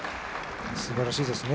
すばらしいですね。